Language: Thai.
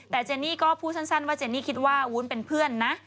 แต่เจนี่ก็พูดสั้นว่าเจนี่คิดว่าวุ้นเป็นเพื่อนนะ